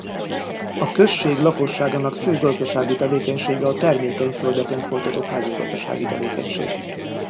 A község lakosságának fő gazdasági tevékenysége a termékeny földeken folytatott mezőgazdasági tevékenység.